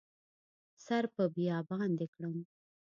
سر په بیابان دې کړم